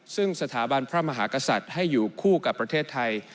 ซึ่งสถาบันพระมหากษัตริย์ให้อยู่คู่กับประเทศไทย